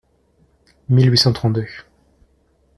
mille huit cent trente-deux).